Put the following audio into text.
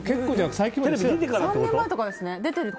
３年前とかですね。